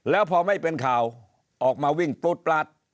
แล้วพอไม่เป็นข่าวออกมาวิ่งปลูดปลาด